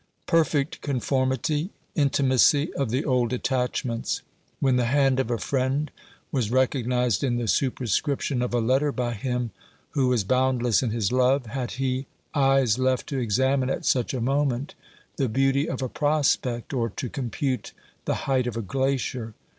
Perfect conformity, intimacy of the old attachments. When the hand of a friend was recognised in the super scription of a letter by him who was boundless in his love, had he eyes left to examine at such a moment the beauty of a prospect or to compute the height of a glacier